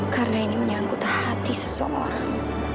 karena ini menyangkut hati seseorang